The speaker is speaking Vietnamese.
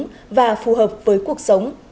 đảng đúng và phù hợp với cuộc sống